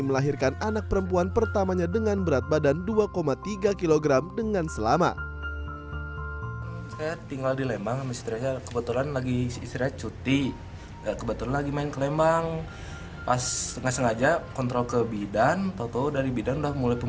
melahirkan anak perempuan pertamanya dengan berat badan dua tiga kg dengan selamat